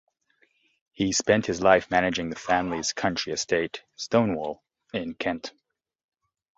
He spent his life managing the family's country estate, Stonewall, in Kent.